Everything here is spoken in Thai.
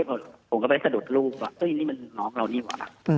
ผมก็ไปสะดุดลูกว่านี่มันน้องเรานี่ว่ะ